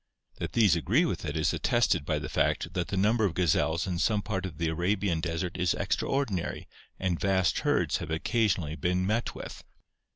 That these agree with it is attested by the fact that the number of gazelles in some parts of the Arabian desert is extraordinary and vast herds have occasionally been met with.